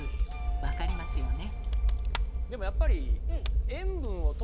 分かりますよね？